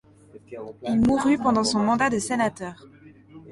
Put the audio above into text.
Il mourut pendant son mandat de sénateur.